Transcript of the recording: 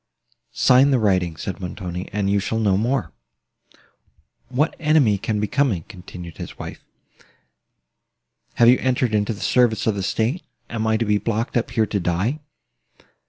"Sign the writings," said Montoni, "and you shall know more." "What enemy can be coming?" continued his wife. "Have you entered into the service of the state? Am I to be blocked up here to die?"